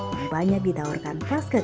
mumpanya ditawarkan pas kredit